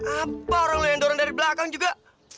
apa orang lewet orang dari belakang juga